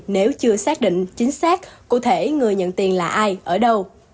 nếu chưa xác định chính xác cụ thể người nhận tiền là ai ở đâu